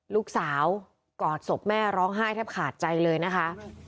ลูกสาวกอดศพแม่ร้องไห้แทบขาดใจเลยนะคะ